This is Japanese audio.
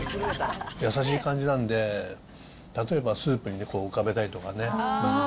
優しい感じなんで、例えばスープに浮かべたりとかね。